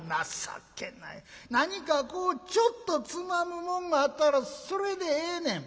何かこうちょっとつまむもんがあったらそれでええねん」。